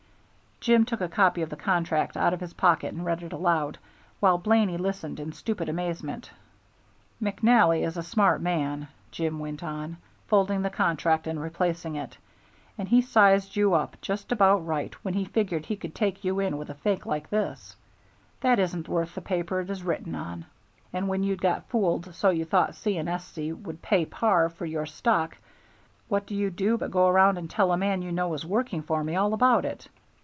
Jim took a copy of the contract out of his pocket and read it aloud, while Blaney listened in stupid amazement. "McNally is a smart man," Jim went on, folding the contract and replacing it, "and he sized you up just about right when he figured he could take you in with a fake like this, that isn't worth the paper it is written on. And when you'd got fooled so you thought C. & S.C. would pay par for your stock, what do you do but go around and tell a man you know is working for me all about it!